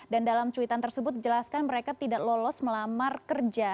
dan dalam cuitan tersebut jelaskan mereka tidak lolos melamar kerja